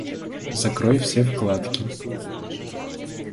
Закрой все вкладки